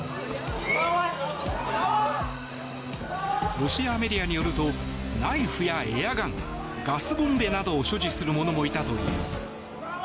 ロシアメディアによるとナイフやエアガンガスボンベなどを所持する者もいたといいます。